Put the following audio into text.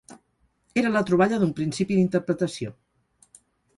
Era la troballa d'un principi d'interpretació.